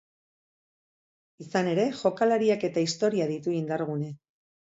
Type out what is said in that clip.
Izan ere, jokalariak eta historia ditu indargune.